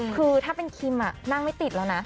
คือถ้าเป็นคิมนั่งไม่ติดแล้วนะ